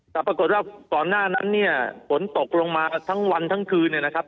แต่ปรากฏว่าก่อนหน้านั้นเนี่ยฝนตกลงมากันทั้งวันทั้งคืนเนี่ยนะครับ